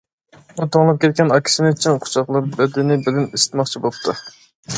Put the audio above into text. ئۇ توڭلاپ كەتكەن ئاكىسىنى چىڭ قۇچاقلاپ بەدىنى بىلەن ئىسسىتماقچى بوپتۇ.